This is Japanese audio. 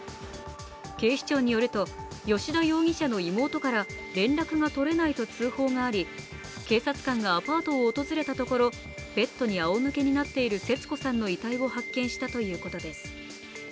警視庁によると、吉田容疑者の妹から連絡が取れないと通報があり、警察官がアパートを訪れたところ、ベッドにあおむけになっている節子さんの遺体を発見したということです。